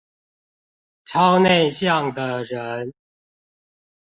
超內向的人